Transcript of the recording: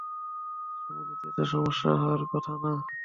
চুমু দিতে তো, সমস্যা হওয়ার কথা না।